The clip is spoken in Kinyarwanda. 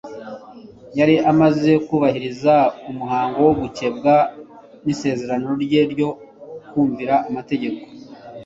Yari amaze kubahiriza umuhango wo gukebwa nk'isezerano rye ryo kumvira amategeko